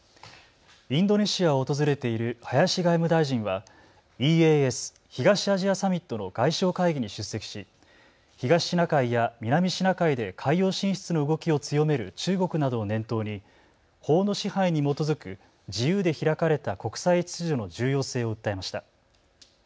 インドネシアを訪れている林外務大臣はＥＡＳ・東アジアサミットの外相会議に出席し東シナ海や南シナ海で海洋進出の動きを強める中国などを念頭に法の支配に基づく自由で開かれた国際秩序の重要性を訴えました。